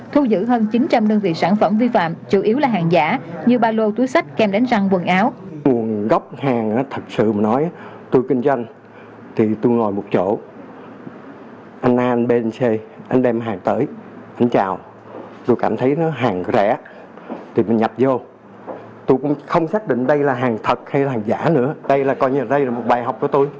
thu giữ hơn chín trăm linh đơn vị sản phẩm vi phạm chủ yếu là hàng giả như ba lô túi sách kem đánh răng quần áo